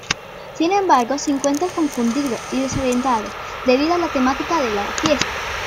Sin embargo, se encuentra confundido y desorientado debido a la temática de la fiesta.